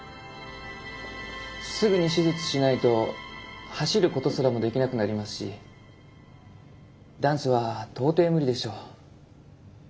すぐに手術しないと走ることすらもできなくなりますしダンスは到底無理でしょう。